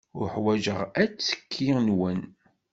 Uḥwaǧeɣ attekki-nwen.